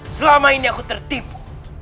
selama ini aku tertipu